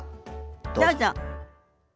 どうぞ。